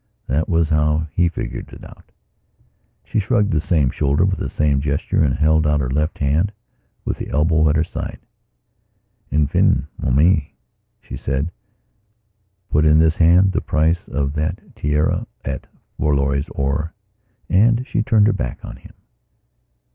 That was how he figured it out. She shrugged the same shoulder with the same gesture and held out her left hand with the elbow at her side: "Enfin, mon ami," she said, "put in this hand the price of that tiara at Forli's or..." And she turned her back on him.